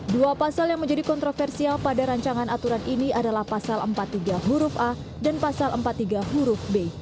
dua pasal yang menjadi kontroversial pada rancangan aturan ini adalah pasal empat puluh tiga huruf a dan pasal empat puluh tiga huruf b